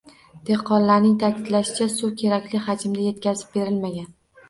Dehqonlarning ta’kidlashicha, suv kerakli hajmda yetkazib berilmagan.